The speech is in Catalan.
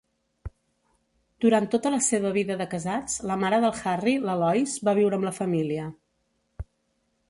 Durant tota la seva vida de casats, la mare del Harry, la Lois, va viure amb la família.